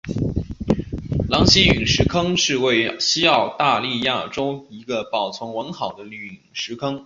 狼溪陨石坑是位于西澳大利亚州一个保存完好的陨石坑。